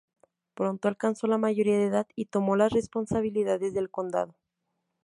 Pronto alcanzó la mayoría de edad y tomó las responsabilidades del condado.